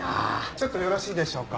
ちょっとよろしいでしょうか？